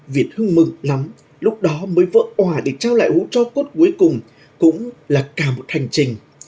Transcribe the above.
việt hưng mừng lắm lúc đó mới vỡ hòa để trao lại hũ cho cốt cuối cùng cũng là cả một hành trình